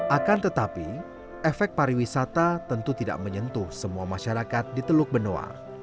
akan tetapi efek pariwisata tentu tidak menyentuh semua masyarakat di teluk benoa